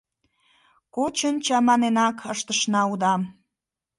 Кочын чаманенак ыштышна удам.